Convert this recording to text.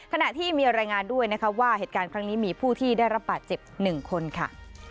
ขณะที่มีรายงานด้วยนะคะว่าเหตุการณ์ครั้งนี้มีผู้ที่ได้รับบาดเจ็บ๑คนค่ะ